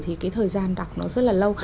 thì cái thời gian đọc nó rất là lâu